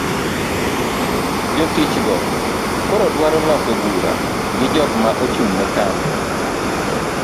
jotich go koro dwaro loso bura gi jok ma ochung'ne kambi